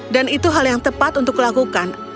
dan itu hal yang tepat untuk dilakukan